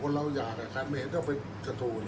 อันไหนที่มันไม่จริงแล้วอาจารย์อยากพูด